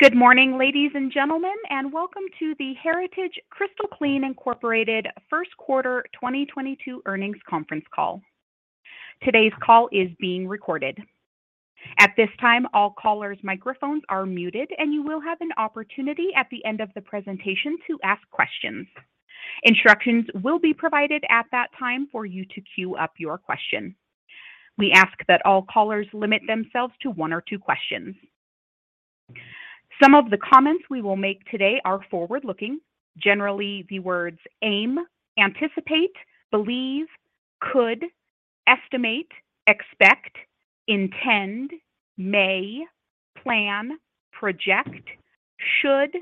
Good morning, ladies and gentlemen, and welcome to the Heritage-Crystal Clean, Inc. first quarter 2022 earnings conference call. Today's call is being recorded. At this time, all callers' microphones are muted, and you will have an opportunity at the end of the presentation to ask questions. Instructions will be provided at that time for you to queue up your question. We ask that all callers limit themselves to one or two questions. Some of the comments we will make today are forward-looking. Generally, the words aim, anticipate, believe, could, estimate, expect, intend, may, plan, project, should,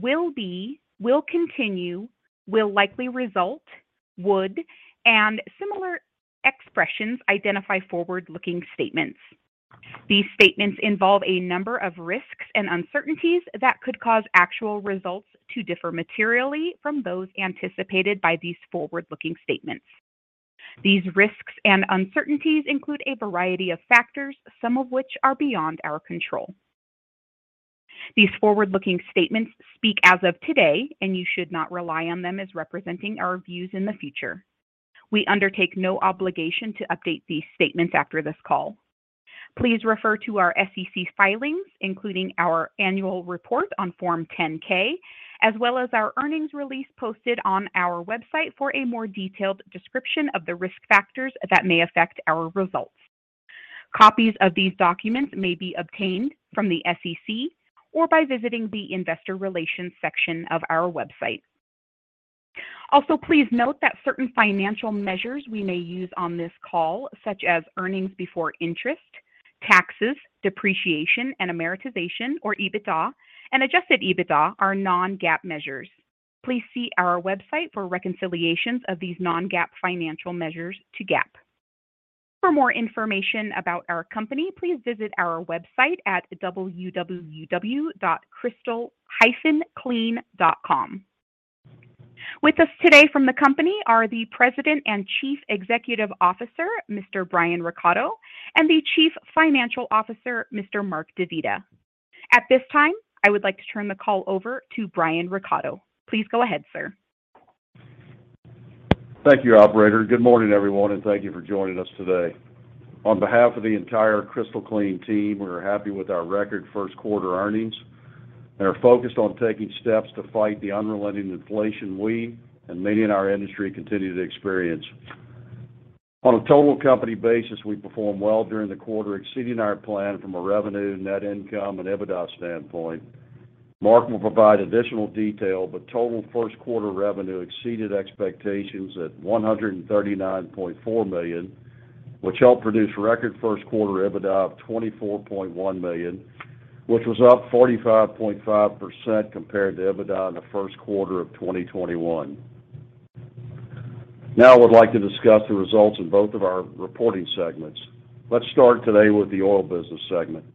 will be, will continue, will likely result, would, and similar expressions identify forward-looking statements. These statements involve a number of risks and uncertainties that could cause actual results to differ materially from those anticipated by these forward-looking statements. These risks and uncertainties include a variety of factors, some of which are beyond our control. These forward-looking statements speak as of today, and you should not rely on them as representing our views in the future. We undertake no obligation to update these statements after this call. Please refer to our SEC filings, including our annual report on Form 10-K, as well as our earnings release posted on our website for a more detailed description of the risk factors that may affect our results. Copies of these documents may be obtained from the SEC or by visiting the investor relations section of our website. Also, please note that certain financial measures we may use on this call, such as earnings before interest, taxes, depreciation, and amortization, or EBITDA, and adjusted EBITDA, are non-GAAP measures. Please see our website for reconciliations of these non-GAAP financial measures to GAAP. For more information about our company, please visit our website at www.crystal-clean.com. With us today from the company are the President and Chief Executive Officer, Mr. Brian Recatto, and the Chief Financial Officer, Mr. Mark DeVita. At this time, I would like to turn the call over to Brian Recatto. Please go ahead, sir. Thank you, operator. Good morning, everyone, and thank you for joining us today. On behalf of the entire Crystal Clean team, we are happy with our record first quarter earnings and are focused on taking steps to fight the unrelenting inflation we and many in our industry continue to experience. On a total company basis, we performed well during the quarter, exceeding our plan from a revenue, net income, and EBITDA standpoint. Mark will provide additional detail, but total first quarter revenue exceeded expectations at $139.4 million, which helped produce record first quarter EBITDA of $24.1 million, which was up 45.5% compared to EBITDA in the first quarter of 2021. Now I would like to discuss the results in both of our reporting segments. Let's start today with the oil business segment.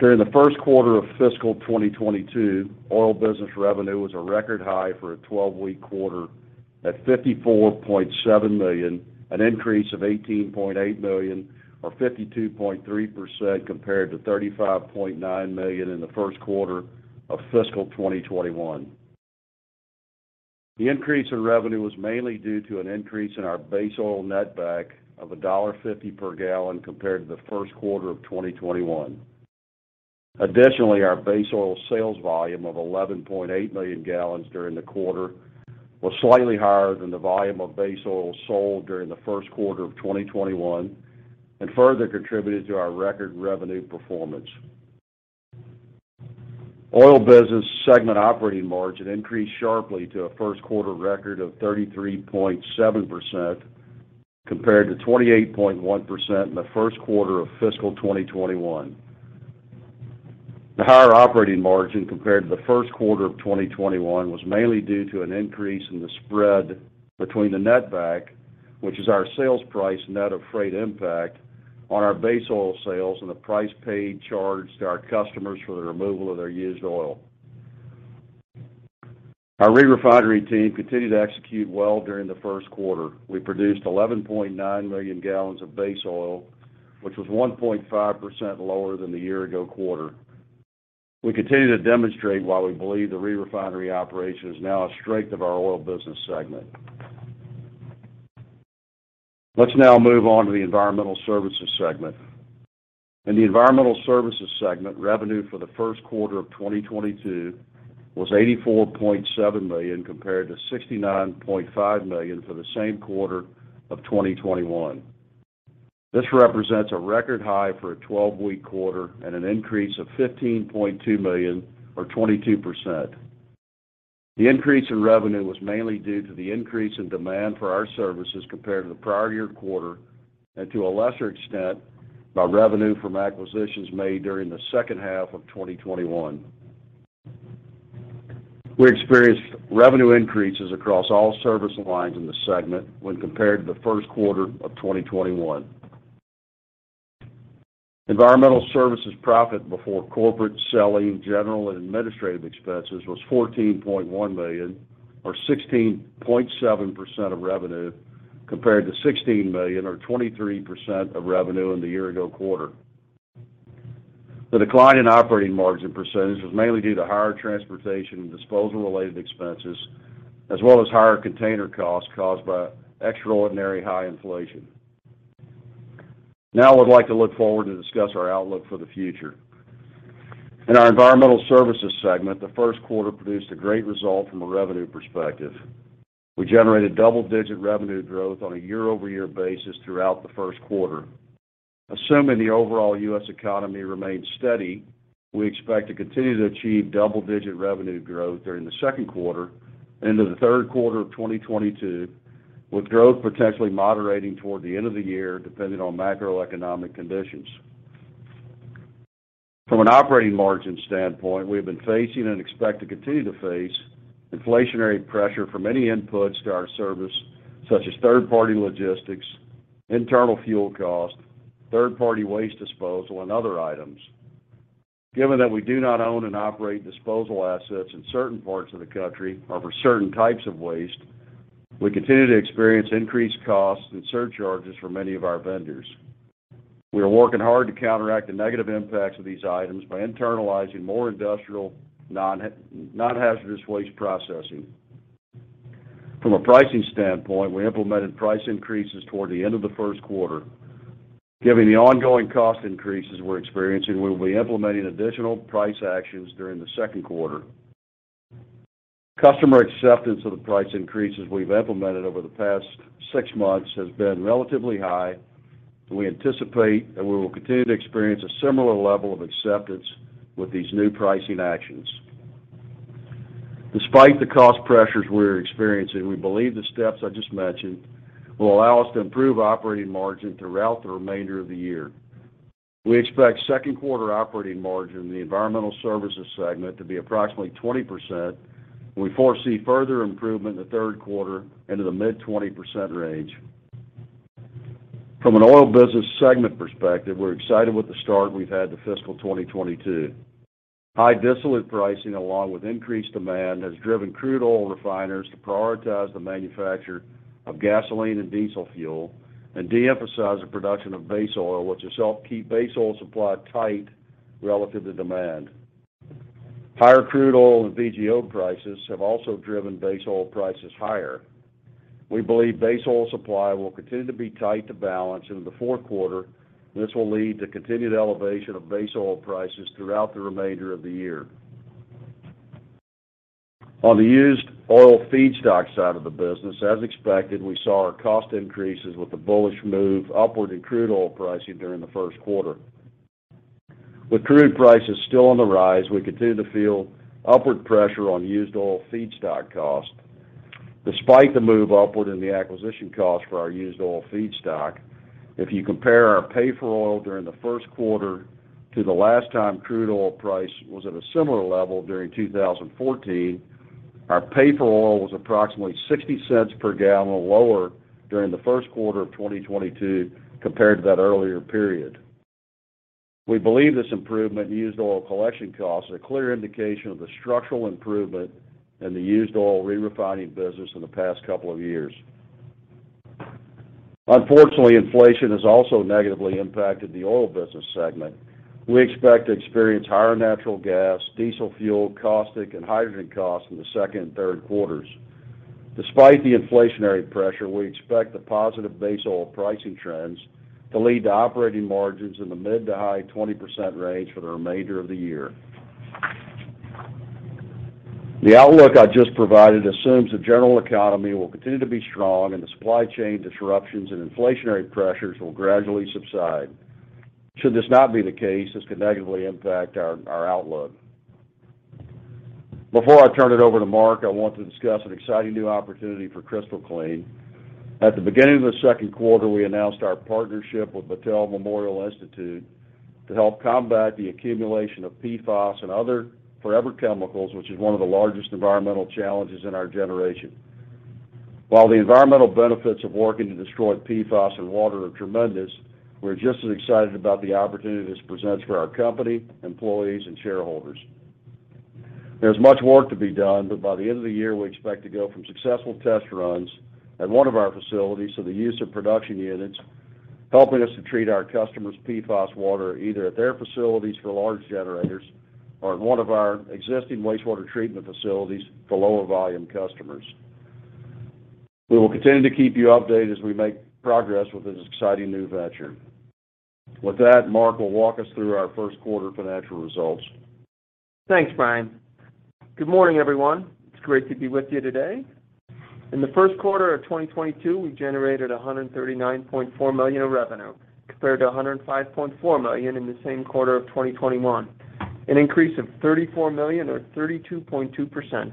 During the first quarter of fiscal 2022, oil business revenue was a record high for a twelve-week quarter at $54.7 million, an increase of $18.8 million or 52.3% compared to $35.9 million in the first quarter of fiscal 2021. The increase in revenue was mainly due to an increase in our base oil netback of $1.50 per gallon compared to the first quarter of 2021. Additionally, our base oil sales volume of 11.8 million gallons during the quarter was slightly higher than the volume of base oil sold during the first quarter of 2021 and further contributed to our record revenue performance. Oil business segment operating margin increased sharply to a first quarter record of 33.7% compared to 28.1% in the first quarter of fiscal 2021. The higher operating margin compared to the first quarter of 2021 was mainly due to an increase in the spread between the netback, which is our sales price net of freight impact on our base oil sales and the price charged to our customers for the removal of their used oil. Our re-refinery team continued to execute well during the first quarter. We produced 11.9 million gallons of base oil, which was 1.5% lower than the year ago quarter. We continue to demonstrate why we believe the re-refinery operation is now a strength of our oil business segment. Let's now move on to the environmental services segment. In the environmental services segment, revenue for the first quarter of 2022 was $84.7 million compared to $69.5 million for the same quarter of 2021. This represents a record high for a twelve-week quarter and an increase of $15.2 million or 22%. The increase in revenue was mainly due to the increase in demand for our services compared to the prior year quarter and to a lesser extent, by revenue from acquisitions made during the second half of 2021. We experienced revenue increases across all service lines in the segment when compared to the first quarter of 2021. Environmental services profit before corporate, selling, general, and administrative expenses was $14.1 million or 16.7% of revenue. Compared to $16 million or 23% of revenue in the year-ago quarter. The decline in operating margin percentage was mainly due to higher transportation and disposal related expenses, as well as higher container costs caused by extraordinary high inflation. Now I'd like to look forward to discuss our outlook for the future. In our environmental services segment, the first quarter produced a great result from a revenue perspective. We generated double-digit revenue growth on a year-over-year basis throughout the first quarter. Assuming the overall U.S. economy remains steady, we expect to continue to achieve double-digit revenue growth during the second quarter into the third quarter of 2022, with growth potentially moderating toward the end of the year, depending on macroeconomic conditions. From an operating margin standpoint, we have been facing and expect to continue to face inflationary pressure from many inputs to our service, such as third-party logistics, internal fuel cost, third-party waste disposal, and other items. Given that we do not own and operate disposal assets in certain parts of the country or for certain types of waste, we continue to experience increased costs and surcharges for many of our vendors. We are working hard to counteract the negative impacts of these items by internalizing more industrial non-hazardous waste processing. From a pricing standpoint, we implemented price increases toward the end of the first quarter. Given the ongoing cost increases we're experiencing, we will be implementing additional price actions during the second quarter. Customer acceptance of the price increases we've implemented over the past six months has been relatively high, and we anticipate that we will continue to experience a similar level of acceptance with these new pricing actions. Despite the cost pressures we're experiencing, we believe the steps I just mentioned will allow us to improve operating margin throughout the remainder of the year. We expect second quarter operating margin in the environmental services segment to be approximately 20%. We foresee further improvement in the third quarter into the mid-20% range. From an oil business segment perspective, we're excited with the start we've had to fiscal 2022. High distillate pricing, along with increased demand, has driven crude oil refiners to prioritize the manufacture of gasoline and diesel fuel and de-emphasize the production of base oil, which itself keep base oil supply tight relative to demand. Higher crude oil and VGO prices have also driven base oil prices higher. We believe base oil supply will continue to be tight to balance into the fourth quarter. This will lead to continued elevation of base oil prices throughout the remainder of the year. On the used oil feedstock side of the business, as expected, we saw our cost increases with the bullish move upward in crude oil pricing during the first quarter. With crude prices still on the rise, we continue to feel upward pressure on used oil feedstock cost. Despite the move upward in the acquisition cost for our used oil feedstock, if you compare our pay for oil during the first quarter to the last time crude oil price was at a similar level during 2014, our pay for oil was approximately $0.60 per gallon lower during the first quarter of 2022 compared to that earlier period. We believe this improvement in used oil collection cost is a clear indication of the structural improvement in the used oil re-refining business in the past couple of years. Unfortunately, inflation has also negatively impacted the oil business segment. We expect to experience higher natural gas, diesel fuel, caustic, and hydrogen costs in the second and third quarters. Despite the inflationary pressure, we expect the positive base oil pricing trends to lead to operating margins in the mid- to high-20% range for the remainder of the year. The outlook I just provided assumes the general economy will continue to be strong and the supply chain disruptions and inflationary pressures will gradually subside. Should this not be the case, this could negatively impact our outlook. Before I turn it over to Mark, I want to discuss an exciting new opportunity for Crystal Clean. At the beginning of the second quarter, we announced our partnership with Battelle Memorial Institute to help combat the accumulation of PFAS and other forever chemicals, which is one of the largest environmental challenges in our generation. While the environmental benefits of working to destroy PFAS in water are tremendous, we're just as excited about the opportunity this presents for our company, employees, and shareholders. There's much work to be done, but by the end of the year, we expect to go from successful test runs at one of our facilities to the use of production units, helping us to treat our customers' PFAS water either at their facilities for large generators or in one of our existing wastewater treatment facilities for lower volume customers. We will continue to keep you updated as we make progress with this exciting new venture. With that, Mark will walk us through our first quarter financial results. Thanks, Brian. Good morning, everyone. It's great to be with you today. In the first quarter of 2022, we generated $139.4 million of revenue compared to $105.4 million in the same quarter of 2021. An increase of $34 million or 32.2%.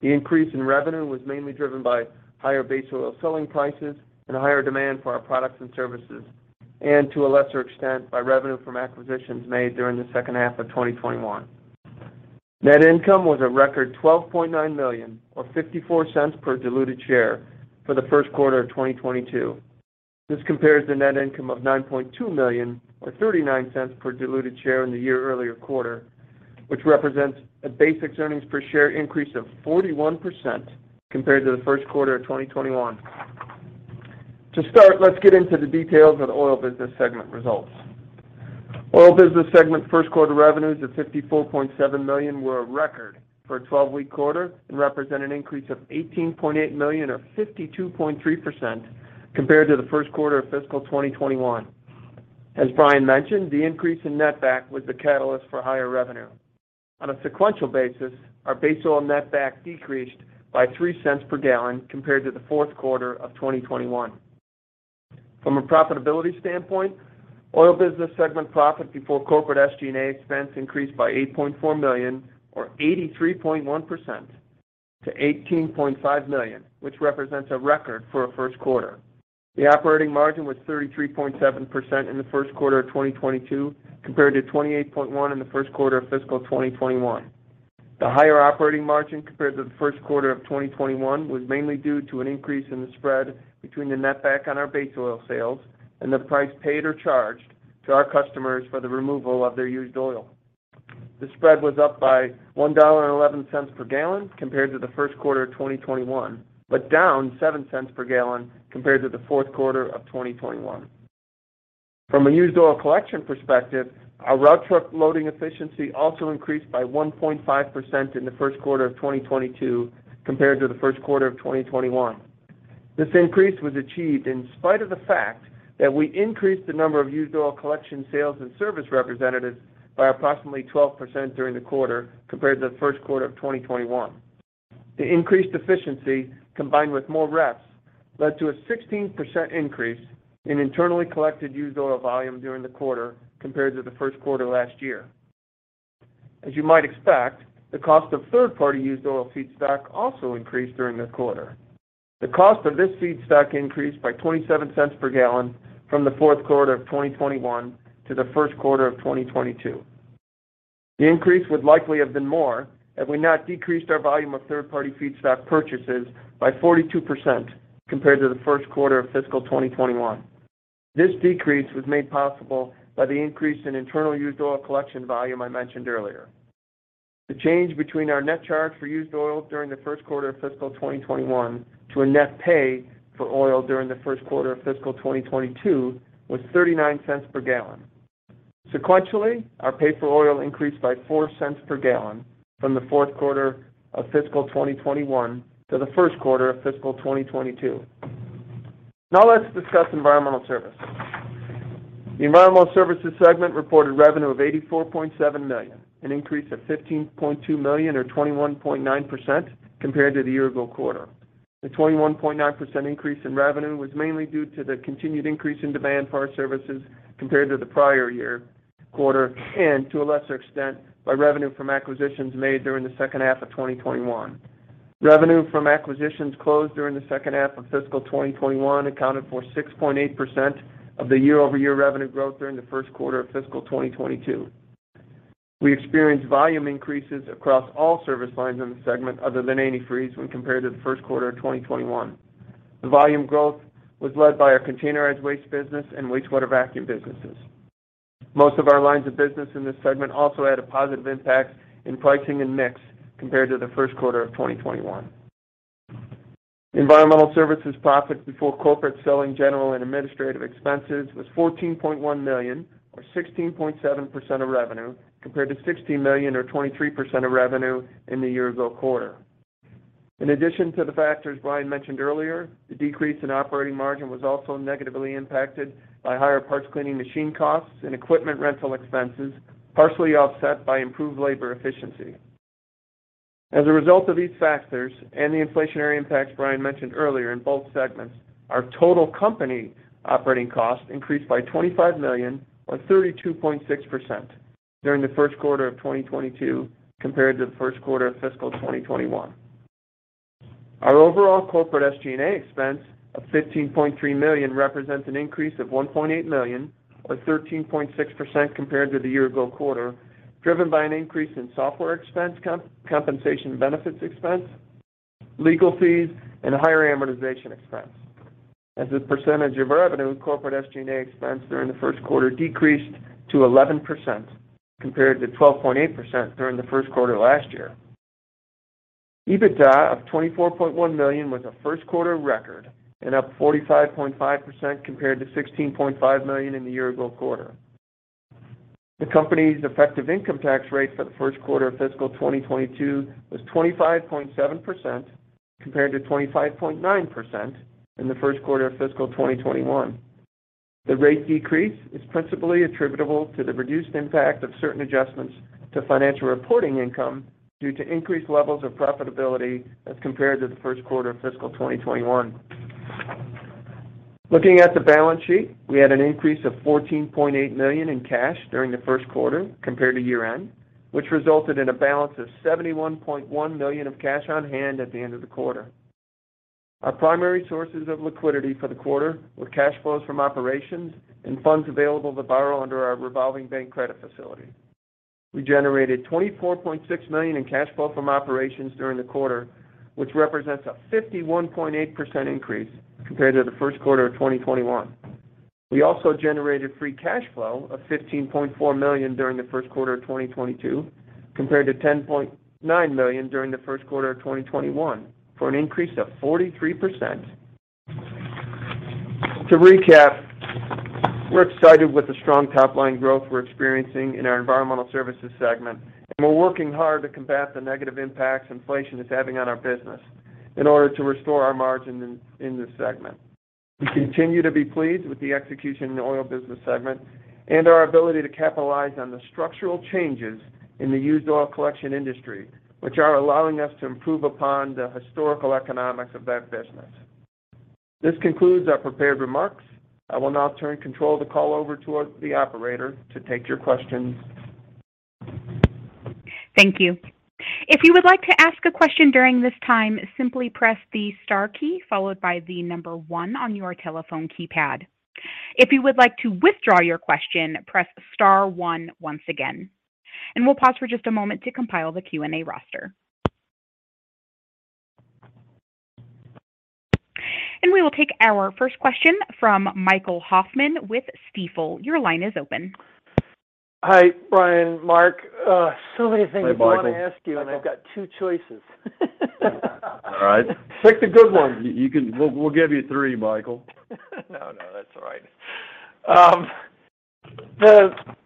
The increase in revenue was mainly driven by higher base oil selling prices and a higher demand for our products and services, and to a lesser extent, by revenue from acquisitions made during the second half of 2021. Net income was a record $12.9 million or $0.54 per diluted share for the first quarter of 2022. This compares to the net income of $9.2 million or $0.39 per diluted share in the year-earlier quarter, which represents a basic earnings per share increase of 41% compared to the first quarter of 2021. To start, let's get into the details of the oil business segment results. Oil business segment first-quarter revenues of $54.7 million were a record for a 12-week quarter and represent an increase of $18.8 million or 52.3% compared to the first quarter of fiscal 2021. As Brian mentioned, the increase in netback was the catalyst for higher revenue. On a sequential basis, our base oil netback decreased by $0.03 per gallon compared to the fourth quarter of 2021. From a profitability standpoint, oil business segment profit before corporate SG&A expense increased by $8.4 million or 83.1% to $18.5 million, which represents a record for a first quarter. The operating margin was 33.7% in the first quarter of 2022 compared to 28.1% in the first quarter of fiscal 2021. The higher operating margin compared to the first quarter of 2021 was mainly due to an increase in the spread between the netback on our base oil sales and the price paid or charged to our customers for the removal of their used oil. The spread was up by $1.11 per gallon compared to the first quarter of 2021, but down $0.07 per gallon compared to the fourth quarter of 2021. From a used oil collection perspective, our route truck loading efficiency also increased by 1.5% in the first quarter of 2022 compared to the first quarter of 2021. This increase was achieved in spite of the fact that we increased the number of used oil collection sales and service representatives by approximately 12% during the quarter compared to the first quarter of 2021. The increased efficiency combined with more reps led to a 16% increase in internally collected used oil volume during the quarter compared to the first quarter last year. As you might expect, the cost of third party used oil feedstock also increased during this quarter. The cost of this feedstock increased by $0.27 per gallon from the fourth quarter of 2021 to the first quarter of 2022. The increase would likely have been more had we not decreased our volume of third party feedstock purchases by 42% compared to the first quarter of fiscal 2021. This decrease was made possible by the increase in internal used oil collection volume I mentioned earlier. The change between our net charge for used oil during the first quarter of fiscal 2021 to a net pay for oil during the first quarter of fiscal 2022 was $0.39 per gallon. Sequentially, our pay for oil increased by $0.04 per gallon from the fourth quarter of fiscal 2021 to the first quarter of fiscal 2022. Now let's discuss environmental service. The environmental services segment reported revenue of $84.7 million, an increase of $15.2 million or 21.9% compared to the year-ago quarter. The 21.9% increase in revenue was mainly due to the continued increase in demand for our services compared to the prior year quarter and to a lesser extent by revenue from acquisitions made during the second half of 2021. Revenue from acquisitions closed during the second half of fiscal 2021 accounted for 6.8% of the year-over-year revenue growth during the first quarter of fiscal 2022. We experienced volume increases across all service lines in the segment other than antifreeze when compared to the first quarter of 2021. The volume growth was led by our containerized waste business and wastewater vacuum businesses. Most of our lines of business in this segment also had a positive impact in pricing and mix compared to the first quarter of 2021. Environmental services profit before corporate selling general and administrative expenses was $14.1 million or 16.7% of revenue compared to $16 million or 23% of revenue in the year ago quarter. In addition to the factors Brian mentioned earlier, the decrease in operating margin was also negatively impacted by higher parts cleaning machine costs and equipment rental expenses, partially offset by improved labor efficiency. As a result of these factors and the inflationary impacts Brian mentioned earlier in both segments, our total company operating costs increased by $25 million or 32.6% during the first quarter of 2022 compared to the first quarter of fiscal 2021. Our overall corporate SG&A expense of $15.3 million represents an increase of $1.8 million or 13.6% compared to the year-ago quarter, driven by an increase in software expense compensation benefits expense, legal fees and higher amortization expense. As a percentage of revenue, corporate SG&A expense during the first quarter decreased to 11% compared to 12.8% during the first quarter last year. EBITDA of $24.1 million was a first quarter record and up 45.5% compared to $16.5 million in the year ago quarter. The company's effective income tax rate for the first quarter of fiscal 2022 was 25.7% compared to 25.9% in the first quarter of fiscal 2021. The rate decrease is principally attributable to the reduced impact of certain adjustments to financial reporting income due to increased levels of profitability as compared to the first quarter of fiscal 2021. Looking at the balance sheet, we had an increase of $14.8 million in cash during the first quarter compared to year end, which resulted in a balance of $71.1 million of cash on hand at the end of the quarter. Our primary sources of liquidity for the quarter were cash flows from operations and funds available to borrow under our revolving bank credit facility. We generated $24.6 million in cash flow from operations during the quarter, which represents a 51.8% increase compared to the first quarter of 2021. We also generated free cash flow of $15.4 million during the first quarter of 2022 compared to $10.9 million during the first quarter of 2021 for an increase of 43%. To recap, we're excited with the strong top-line growth we're experiencing in our environmental services segment, and we're working hard to combat the negative impacts inflation is having on our business in order to restore our margin in this segment. We continue to be pleased with the execution in the oil business segment and our ability to capitalize on the structural changes in the used oil collection industry, which are allowing us to improve upon the historical economics of that business. This concludes our prepared remarks. I will now turn control of the call over to the operator to take your questions. Thank you. If you would like to ask a question during this time, simply press the star key, followed by the number one on your telephone keypad. If you would like to withdraw your question, press star one once again. We'll pause for just a moment to compile the Q&A roster. We will take our first question from Michael Hoffman with Stifel. Your line is open. Hi, Brian, Mark. Many things I want to ask you. Hey, Michael. I've got two choices. All right. Pick the good one. We'll give you three, Michael. No, no, that's all right.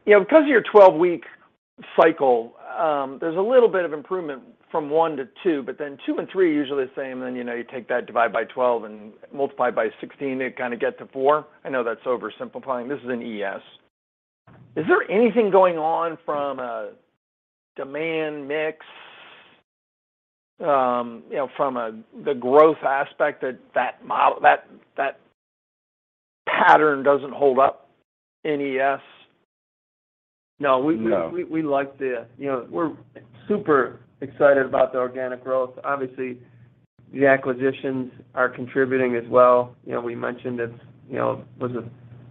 You know, because of your 12-week cycle, there's a little bit of improvement from one to two, but then two and three are usually the same. Then, you know, you take that divide by 12 and multiply by 16 to kind of get to four. I know that's oversimplifying. This is in ES. Is there anything going on from a demand mix, you know, from the growth aspect that pattern doesn't hold up in ES? No. You know, we're super excited about the organic growth. Obviously, the acquisitions are contributing as well. You know, we mentioned it was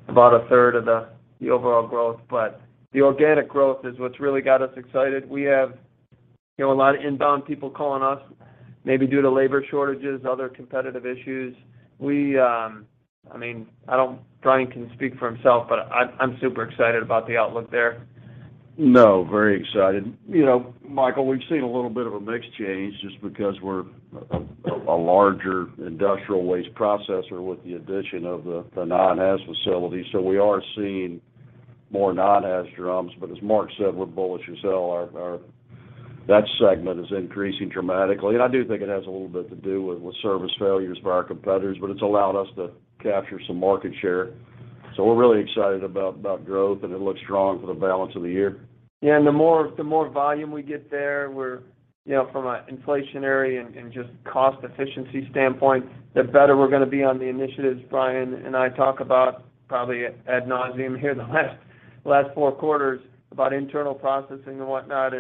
about a third of the overall growth, but the organic growth is what's really got us excited. We have, you know, a lot of inbound people calling us maybe due to labor shortages, other competitive issues. We, I mean, Brian can speak for himself, but I'm super excited about the outlook there. No, very excited. You know, Michael, we've seen a little bit of a mix change just because we're a larger industrial waste processor with the addition of the non-haz facility. We are seeing more non-haz drums. As Mark said, we're bullish as hell. That segment is increasing dramatically. I do think it has a little bit to do with service failures of our competitors, but it's allowed us to capture some market share. We're really excited about growth, and it looks strong for the balance of the year. Yeah. The more volume we get there, we're, you know, from an inflationary and just cost efficiency standpoint, the better we're gonna be on the initiatives Brian and I talk about probably ad nauseam here the last four quarters about internal processing and whatnot.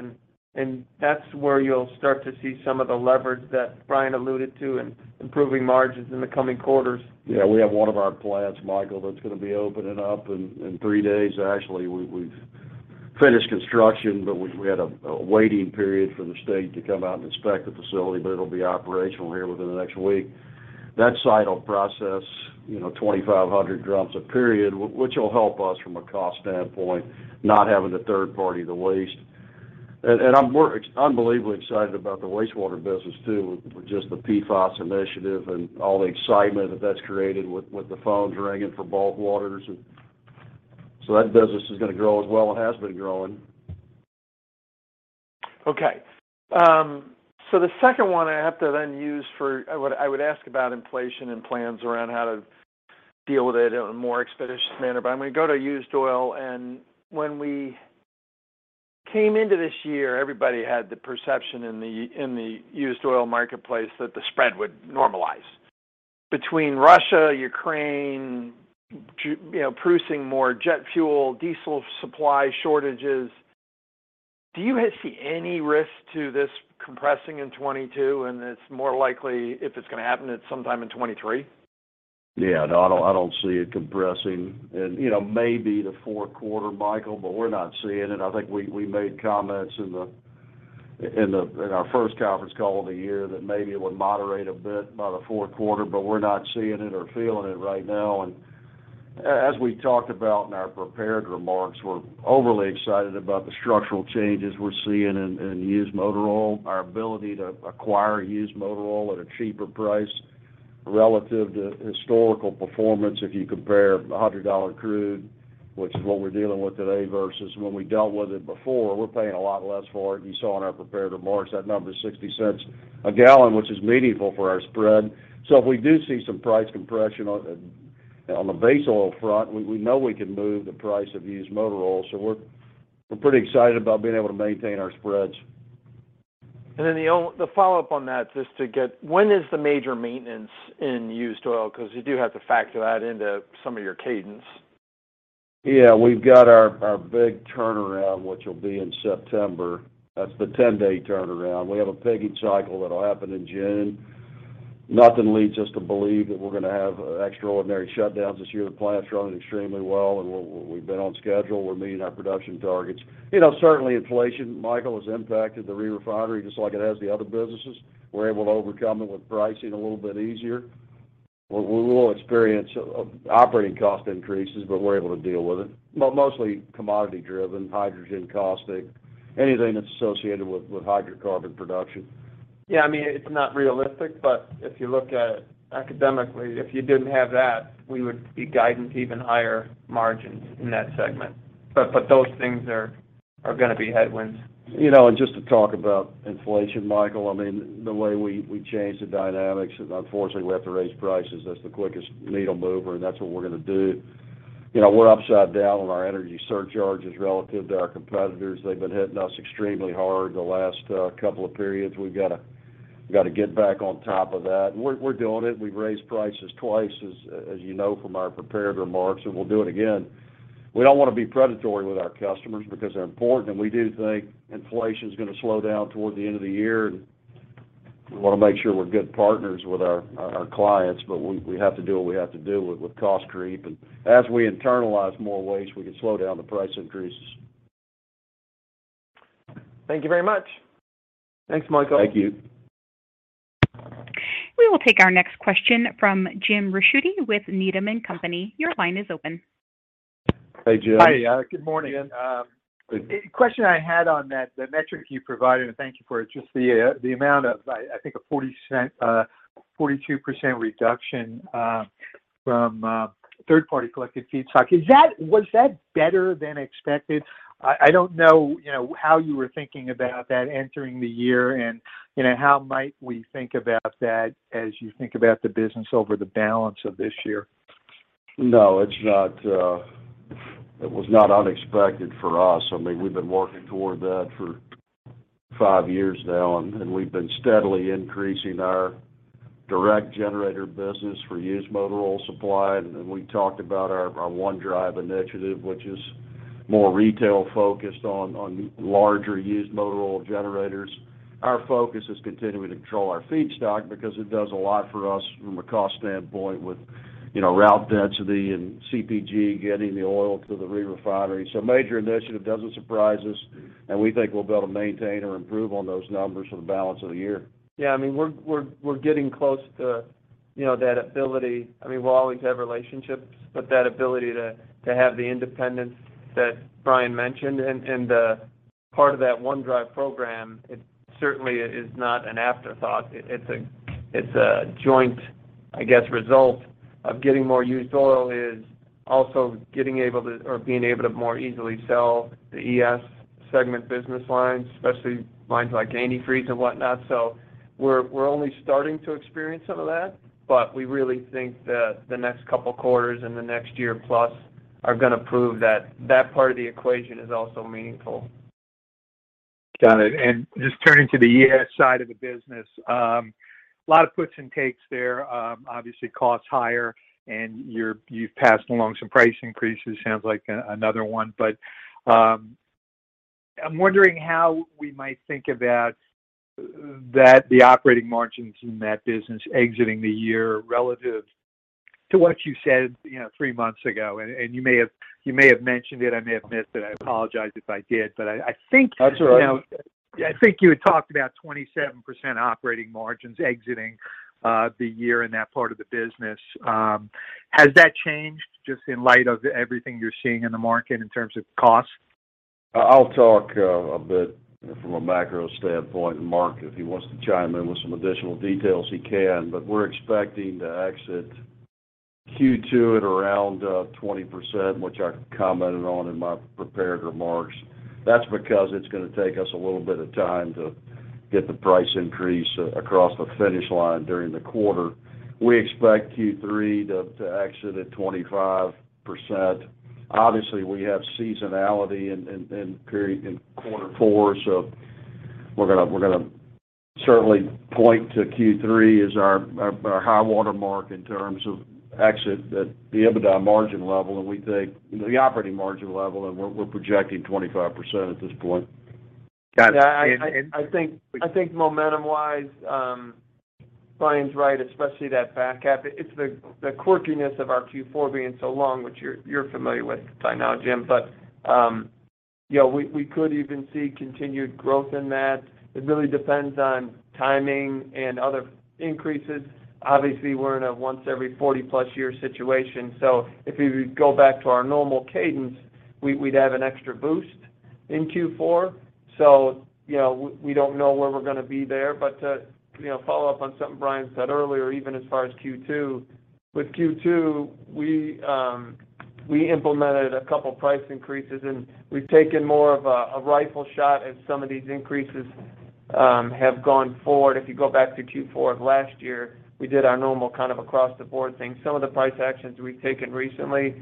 That's where you'll start to see some of the leverage that Brian alluded to in improving margins in the coming quarters. Yeah. We have one of our plants, Michael, that's gonna be opening up in three days. Actually, we've finished construction, but we had a waiting period for the state to come out and inspect the facility, but it'll be operational here within the next week. That site will process, you know, 2,500 drums a period, which will help us from a cost standpoint, not having a third party to lease. I'm more unbelievably excited about the wastewater business too, with just the PFAS initiative and all the excitement that that's created with the phones ringing for bulk waters. That business is gonna grow as well. It has been growing. Okay. The second one I have to then use for... I would ask about inflation and plans around how to deal with it in a more expeditious manner. I'm gonna go to used oil. When we came into this year, everybody had the perception in the used oil marketplace that the spread would normalize. Between Russia, Ukraine, you know, producing more jet fuel, diesel supply shortages, do you guys see any risk to this compressing in 2022, and it's more likely if it's gonna happen, it's sometime in 2023? Yeah. No, I don't see it compressing in, you know, maybe the fourth quarter, Michael, but we're not seeing it. I think we made comments in our first conference call of the year that maybe it would moderate a bit by the fourth quarter, but we're not seeing it or feeling it right now. As we talked about in our prepared remarks, we're overly excited about the structural changes we're seeing in used motor oil, our ability to acquire used motor oil at a cheaper price relative to historical performance if you compare $100 crude, which is what we're dealing with today, versus when we dealt with it before. We're paying a lot less for it. You saw in our prepared remarks that number, $0.60 a gallon, which is meaningful for our spread. If we do see some price compression on the base oil front, we know we can move the price of used motor oil. We're pretty excited about being able to maintain our spreads. The follow-up on that just to get when is the major maintenance in used oil? Because you do have to factor that into some of your cadence. Yeah. We've got our big turnaround, which will be in September. That's the 10-day turnaround. We have a pigging cycle that'll happen in June. Nothing leads us to believe that we're gonna have extraordinary shutdowns this year. The plant's running extremely well, and we've been on schedule. We're meeting our production targets. You know, certainly inflation, Michael, has impacted the re-refinery just like it has the other businesses. We're able to overcome it with pricing a little bit easier. We'll experience operating cost increases, but we're able to deal with it. Mostly commodity driven, hydrogen, caustic, anything that's associated with hydrocarbon production. Yeah, I mean, it's not realistic, but if you look at it academically, if you didn't have that, we would be guiding even higher margins in that segment. Those things are gonna be headwinds. You know, just to talk about inflation, Michael, I mean, the way we change the dynamics, unfortunately, we have to raise prices. That's the quickest needle mover, and that's what we're gonna do. You know, we're upside down on our energy surcharges relative to our competitors. They've been hitting us extremely hard the last couple of periods. We've got to get back on top of that. We're doing it. We've raised prices twice, as you know from our prepared remarks, and we'll do it again. We don't wanna be predatory with our customers because they're important, and we do think inflation's gonna slow down toward the end of the year. We wanna make sure we're good partners with our clients, but we have to do what we have to do with cost creep. As we internalize more waste, we can slow down the price increases. Thank you very much. Thanks, Michael. Thank you. We will take our next question from James Ricchiuti with Needham & Company. Your line is open. Hey, Jim. Hi, good morning. Yeah. Please. A question I had on that, the metric you provided, and thank you for it, just the amount of, I think 42% reduction from third-party collected feedstock. Was that better than expected? I don't know, you know, how you were thinking about that entering the year and, you know, how might we think about that as you think about the business over the balance of this year? No, it's not. It was not unexpected for us. I mean, we've been working toward that for five years now, and we've been steadily increasing our direct generator business for used motor oil supply. We talked about our One Drive initiative, which is more retail-focused on larger used motor oil generators. Our focus is continuing to control our feedstock because it does a lot for us from a cost standpoint with, you know, route density and CPG getting the oil to the re-refinery. Major initiative doesn't surprise us, and we think we'll be able to maintain or improve on those numbers for the balance of the year. Yeah, I mean, we're getting close to, you know, that ability. I mean, we'll always have relationships, but that ability to have the independence that Brian mentioned and part of that One Drive program, it certainly is not an afterthought. It's a joint, I guess, result of getting more used oil or being able to more easily sell the ES segment business lines, especially lines like antifreeze and whatnot. So we're only starting to experience some of that, but we really think that the next couple quarters and the next year plus are gonna prove that that part of the equation is also meaningful. Got it. Just turning to the ES side of the business, a lot of puts and takes there. Obviously cost higher, and you've passed along some price increases. Sounds like another one. I'm wondering how we might think about that, the operating margins in that business exiting the year relative to what you said, you know, three months ago. You may have mentioned it. I may have missed it. I apologize if I did, but I think- That's all right. You know, I think you had talked about 27% operating margins exiting the year in that part of the business. Has that changed just in light of everything you're seeing in the market in terms of cost? I'll talk a bit from a macro standpoint, and Mark, if he wants to chime in with some additional details, he can. We're expecting to exit Q2 at around 20%, which I commented on in my prepared remarks. That's because it's gonna take us a little bit of time to get the price increase across the finish line during the quarter. We expect Q3 to exit at 25%. Obviously, we have seasonality in quarter four, so we're gonna certainly point to Q3 as our high water mark in terms of exit the EBITDA margin level. We think the operating margin level, and we're projecting 25% at this point. Got it. Yeah. I think momentum-wise, Brian's right, especially that back half. It's the quirkiness of our Q4 being so long, which you're familiar with by now, Jim, but you know, we could even see continued growth in that. It really depends on timing and other increases. Obviously, we're in a once every 40+ year situation, so if we go back to our normal cadence, we'd have an extra boost in Q4. You know, we don't know where we're gonna be there. To, you know, follow up on something Brian said earlier, even as far as Q2, we implemented a couple price increases, and we've taken more of a rifle shot as some of these increases have gone forward. If you go back to Q4 of last year, we did our normal kind of across the board thing. Some of the price actions we've taken recently,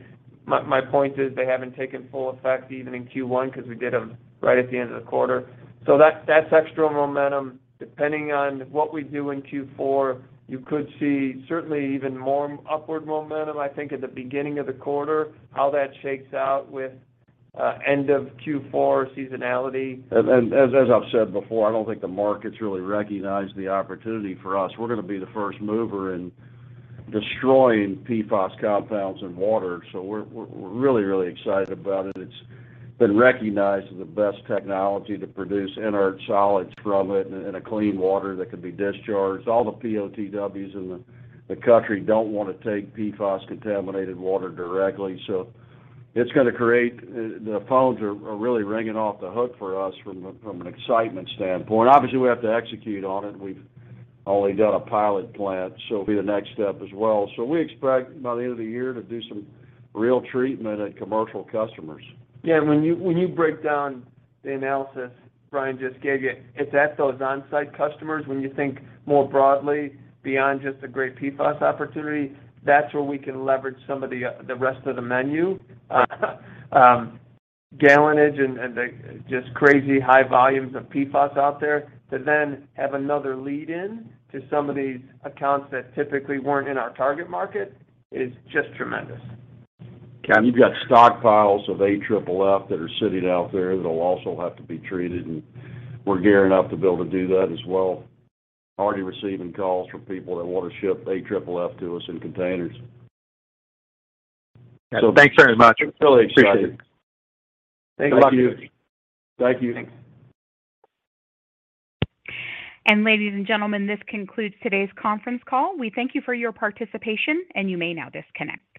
my point is they haven't taken full effect even in Q1 because we did them right at the end of the quarter. That's extra momentum. Depending on what we do in Q4, you could see certainly even more upward momentum, I think, at the beginning of the quarter. How that shakes out with end of Q4 seasonality. As I've said before, I don't think the markets really recognize the opportunity for us. We're gonna be the first mover in destroying PFAS compounds in water, so we're really excited about it. It's been recognized as the best technology to produce inert solids from it and a clean water that can be discharged. All the POTWs in the country don't wanna take PFAS contaminated water directly. It's gonna create. The phones are really ringing off the hook for us from an excitement standpoint. Obviously, we have to execute on it. We've only done a pilot plant, so it'll be the next step as well. We expect by the end of the year to do some real treatment at commercial customers. Yeah. When you break down the analysis Brian just gave you, it's at those on-site customers when you think more broadly beyond just the great PFAS opportunity. That's where we can leverage some of the rest of the menu. Gallonage and the just crazy high volumes of PFAS out there to then have another lead in to some of these accounts that typically weren't in our target market is just tremendous. Got it. You've got stockpiles of AFFF that are sitting out there that'll also have to be treated, and we're gearing up to be able to do that as well. Already receiving calls from people that want to ship AFFF to us in containers. Thanks very much. Absolutely. Appreciate it. Thanks a lot. Thank you. Thank you. Ladies and gentlemen, this concludes today's conference call. We thank you for your participation, and you may now disconnect.